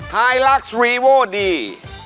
ไฮลักซ์รีโว่ดี